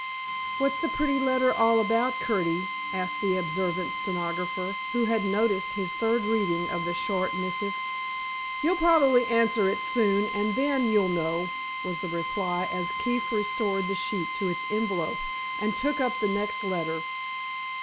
"What's the pretty letter all about, Curtie?" asked the observant stenographer, who had noticed his third reading of the short missive. "You'll probably answer it soon, and then you'll know," was the reply, as Keefe restored the sheet to its envelope and took up the next letter.